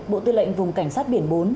bộ tư lệnh vùng cảnh sát biển bốn